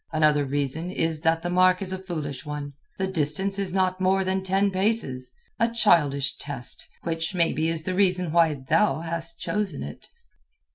Another reason is that the mark is a foolish one. The distance is not more than ten paces. A childish test, which, maybe, is the reason why thou hast chosen it."